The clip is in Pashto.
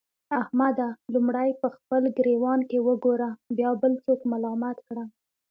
احمده! لومړی په خپل ګرېوان کې وګوره؛ بيا بل څوک ملامت کړه.